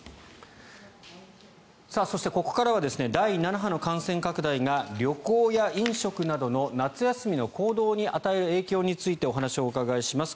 そして、ここからは第７波の感染拡大が旅行や飲食などの夏休みの行動に与える影響についてお話をお伺いします。